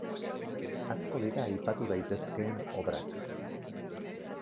Asko dira aipatu daitezkeen obrak.